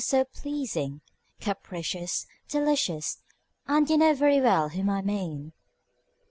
so pleasing! Capricious! delicious! And you know very well whom I mean.